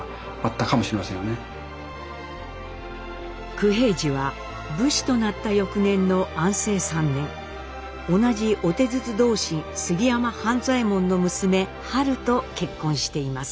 九平治は武士となった翌年の安政３年同じ御手筒同心杉山半左衛門の娘はると結婚しています。